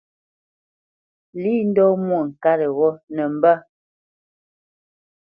Lî ndɔ́ Mwôŋkát ghó nə mbə́.